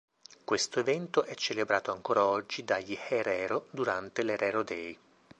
Questo evento è celebrato ancora oggi dagli herero durante l’Herero Day.